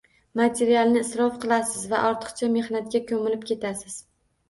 Materialni isrof qilasiz va ortiqcha mehnatga ko’milib ketasiz